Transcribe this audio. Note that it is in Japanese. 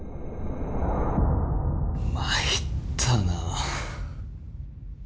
参ったな。